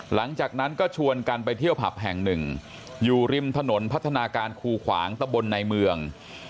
หลังจากนั้นก็ชวนกันไปเที่ยวผับแห่งหนึ่งอยู่ริมถนนพัฒนาการคูขวางตะบนในเมือง